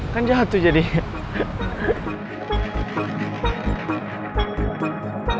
kan jatuh jadinya